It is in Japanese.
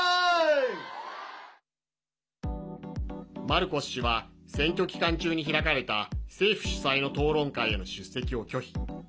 マルコス氏は選挙期間中に開かれた政府主催の討論会への出席を拒否。